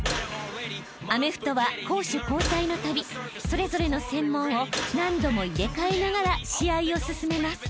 ［アメフトは攻守交代のたびそれぞれの専門を何度も入れ替えながら試合を進めます］